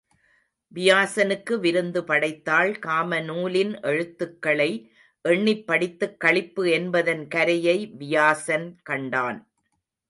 வியாசனுக்கு விருந்து படைத்தாள் காமநூலின் எழுத்துக்களை எண்ணிப் படித்துக் களிப்பு என்பதன் கரையை வியாசன் கண்டான்.